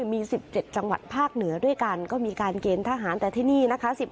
มี๑๗จังหวัดภาคเหนือด้วยกันก็มีการเกณฑ์ทหารแต่ที่นี่นะคะ